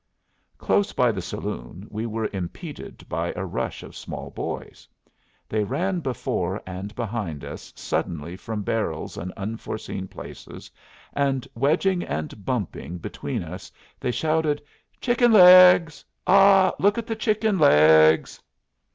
Close by the saloon we were impeded by a rush of small boys. They ran before and behind us suddenly from barrels and unforeseen places, and wedging and bumping between us, they shouted: "Chicken legs! Ah, look at the chicken legs!"